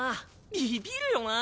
ビビるよな！